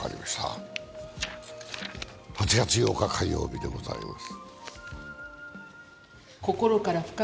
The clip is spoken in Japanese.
８月８日火曜日でございます。